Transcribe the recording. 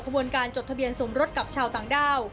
บนการจดทะเบียนสมรสกับชาวต่างด้าว